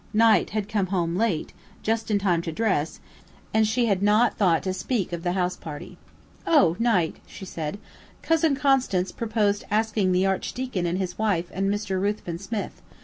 Knight had come home late, just in time to dress, and she had not thought to speak of the house party. "Oh, Knight," she said, "Cousin Constance proposed asking the Archdeacon and his wife and Mr. Ruthven Smith.